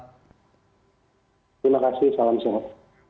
terima kasih salam sehat